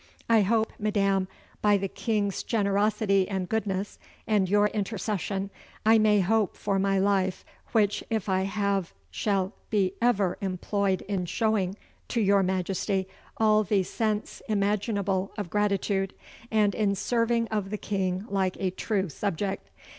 I hope, madam, by the King's generosity and goodness, and your intercession, I may hope for my life which if I have shall be ever employed in showing to your Majesty all the sense immaginable of gratitude, and in serving of the King like a true subject.